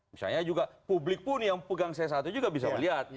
misalnya juga publik pun yang pegang c satu juga bisa melihat